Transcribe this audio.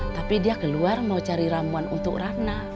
tapi dia keluar mau cari ramuan untuk ratna